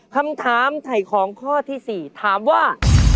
คำถามไถ่ของข้อที่๔ถามว่า